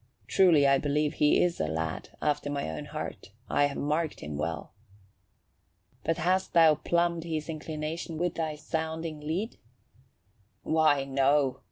Truly I believe he is a lad after my own heart. I have marked him well." "But hast thou plumbed his inclination with thy sounding lead?" "Why, no.